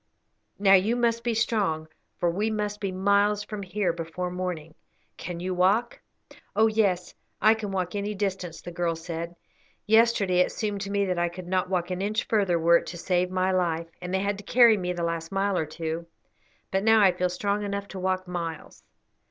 Now you must be strong, for we must be miles from here before morning. Can you walk?" "Oh yes, I can walk any distance," the girl said. "Yesterday it seemed to me that I could not walk an inch further were it to save my life, and they had to carry me the last mile or two, but now I feel strong enough to walk miles."